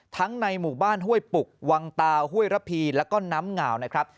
ในหมู่บ้านห้วยปุกวังตาห้วยระพีแล้วก็น้ำเหงาวนะครับ